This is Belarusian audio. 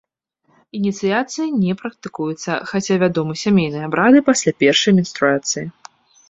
Ініцыяцыі не практыкуюцца, хаця вядомы сямейныя абрады пасля першай менструацыі.